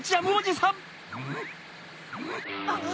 あっ！